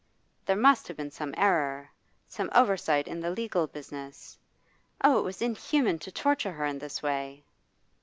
There must have been some error, some oversight in the legal business. Oh, it was inhuman to torture her in this way!